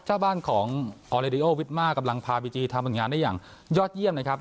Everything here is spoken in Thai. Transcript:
เจ้าบ้านของพาบีจีทำงานได้อย่างยอดเยี่ยมนะครับ